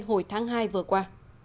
hồi tháng hai vừa qua